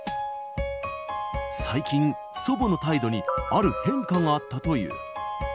最近、祖母の態度にある変化があったという。